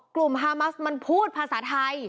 กลุ่มฮามัสมันพูดภาษาไทย